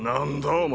お前。